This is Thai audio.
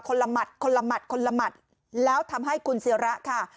ละหมัดคนละหมัดคนละหมัดแล้วทำให้คุณศิระค่ะ